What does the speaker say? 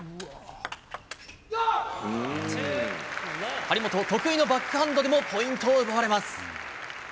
張本、得意のバックハンドでもポイントを奪われます。